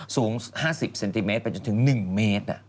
สูง๕๐เซนติเมตรไปจนถึง๑เมตร